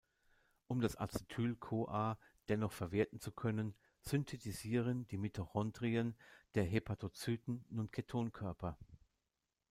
Um das Acetyl-CoA dennoch verwerten zu können, synthetisieren die Mitochondrien der Hepatozyten nun Ketonkörper.